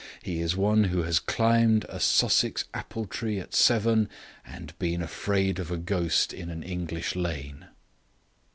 He is one who has climbed a Sussex apple tree at seven and been afraid of a ghost in an English lane."